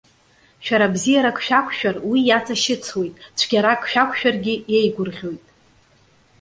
Шәара бзиарак шәақәшәар, уи иаҵашьыцуеит. Цәгьарак шәақәшәаргьы иеигәырӷьоит.